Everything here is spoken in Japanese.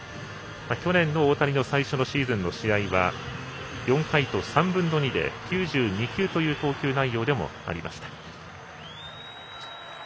去年の大谷の最初のシーズンの試合は４回と３分の２で９２球という投球内容でありました。